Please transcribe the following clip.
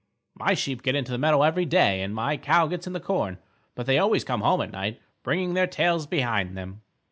"My sheep get into the meadow every day and my cows get in the corn, but they always come home at night, bringing their tails behind them."